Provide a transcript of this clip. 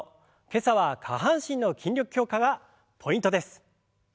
今朝は下半身の筋力強化がポイントです。